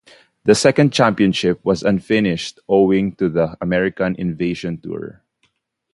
The second Championship was unfinished owing to the American Invasion Tour.